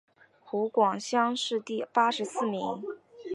湖广乡试第八十四名。